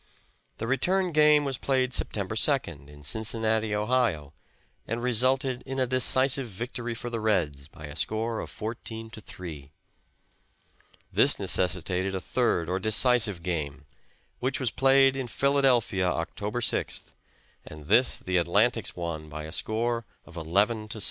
The return game was played September 2d, in Cincinnati, Ohio, and resulted in a decisive victory for the Reds, by a score of 14 to 3. This necessitated a third or decisive game, which was played in Philadelphia October 6th, and this the Atlantics won by a score of 11 to 7.